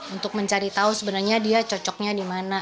untuk mencari tahu sebenarnya dia cocoknya dimana